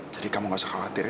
jadi kamu nggak usah khawatir ya